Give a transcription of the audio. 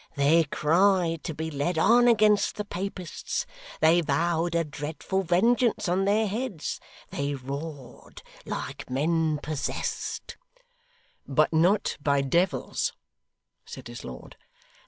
They cried to be led on against the Papists, they vowed a dreadful vengeance on their heads, they roared like men possessed ' 'But not by devils,' said his lord.